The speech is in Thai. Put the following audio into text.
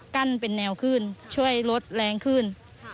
เป็นแนวขึ้นช่วยลดแรงขึ้น